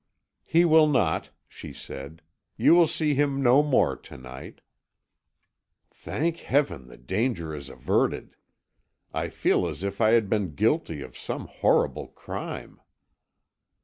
"He will not," she said. "You will see him no more to night." "Thank Heaven the danger is averted! I feel as if I had been guilty of some horrible crime."